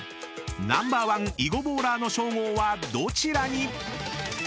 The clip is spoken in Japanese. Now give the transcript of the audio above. ［ナンバーワン囲碁ボーラーの称号はどちらに⁉］